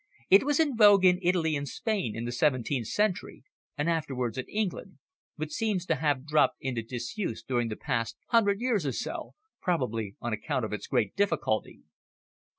It was in vogue in Italy and Spain in the seventeenth century, and afterwards in England, but seems to have dropped into disuse during the past hundred years or so, probably on account of its great difficulty."